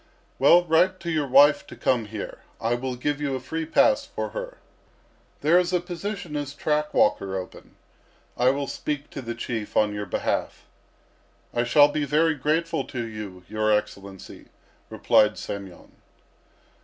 "Well, write to your wife to come here. I will give you a free pass for her. There is a position as track walker open. I will speak to the Chief on your behalf." "I shall be very grateful to you, your Excellency," replied Semyon.